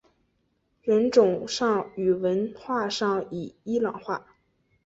人种上与文化上已伊朗化。